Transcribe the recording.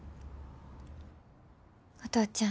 お父ちゃん。